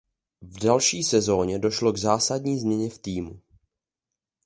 V další sezóně došlo k zásadní změně v týmu.